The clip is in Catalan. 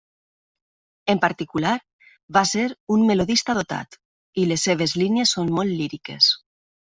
En particular, va ser un melodista dotat, i les seves línies són molt líriques.